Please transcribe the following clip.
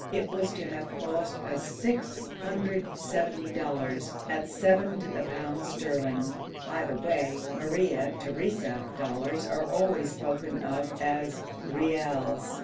It was to have cost us 670 dollars, at seven to the pound sterling. By the way, Maria Theresa dollars are always spoken of as reals.